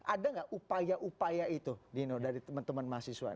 ada nggak upaya upaya itu dino dari teman teman mahasiswa